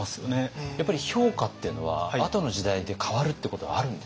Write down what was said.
やっぱり評価っていうのはあとの時代で変わるっていうことはあるんですね。